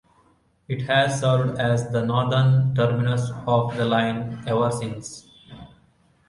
It has served as the northern terminus of the line ever since.